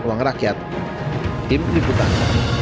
ruang rakyat tim liputan